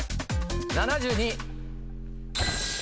７２。